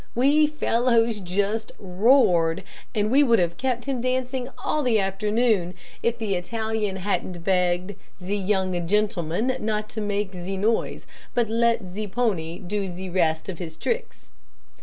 We fellows just roared, and we would have kept him dancing all the afternoon if the Italian hadn't begged 'ze young gentlemen not to make ze noise, but let ze pony do ze rest of his tricks.'